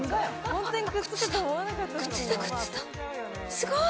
すごい。